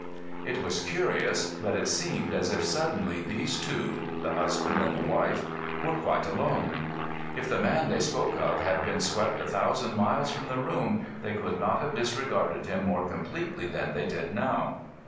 It was curious, but it seemed as if suddenly these two—the husband and the wife—were quite alone. If the man they spoke of had been swept a thousand miles from the room, they could not have disregarded him more completely than they did now.